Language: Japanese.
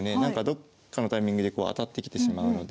どっかのタイミングで当たってきてしまうので。